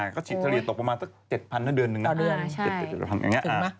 ก็ฉีดทะเลตกประมาณ๗๐๐๐บาทในเดือนหนึ่งนะ